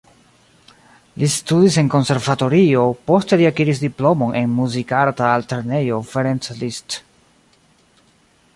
Li studis en konservatorio, poste li akiris diplomon en Muzikarta Altlernejo Ferenc Liszt.